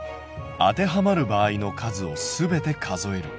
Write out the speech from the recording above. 当てはまる場合の数をすべて数える。